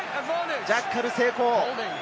ジャッカル成功！